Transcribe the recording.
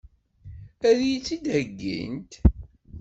Ad iyi-tt-id-heggint?